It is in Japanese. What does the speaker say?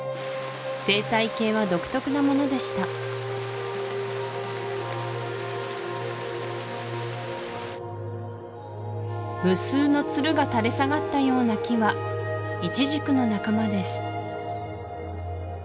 生態系は独特なものでした無数のツルが垂れ下がったような木はイチジクの仲間です